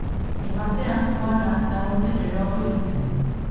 Emaztea, Juana, lau urte geroago hil zen.